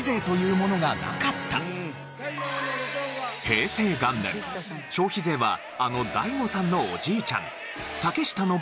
平成元年消費税はあのＤＡＩＧＯさんのおじいちゃん竹下登